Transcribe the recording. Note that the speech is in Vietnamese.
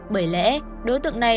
bởi lẽ đối tượng này